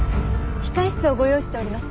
控室をご用意しております。